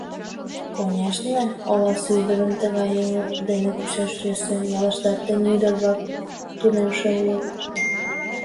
Конешне, оласе ӱдырым тыгай «эҥыр» дене кучаш йӧсӧ, ялыштат тений ӱдыр-влак тунемше улыт.